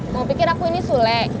mau pikir aku ini sule